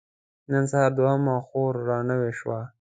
نن سهار دوهمه خور را نوې شوه.